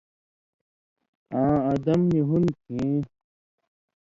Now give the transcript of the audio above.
آں ادم نی ہون٘د کھیں